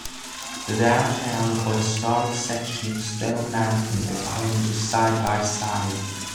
The Downtown or Historic section of Stone Mountain is home to Side By Side.